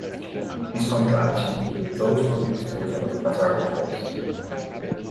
These contracts included those for the disposal of hazardous waste.